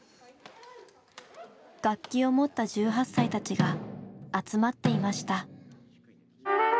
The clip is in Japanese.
楽器を持った１８歳たちが集まっていました。